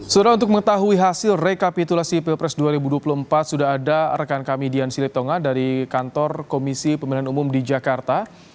sudah untuk mengetahui hasil rekapitulasi pilpres dua ribu dua puluh empat sudah ada rekan kami dian siliptonga dari kantor komisi pemilihan umum di jakarta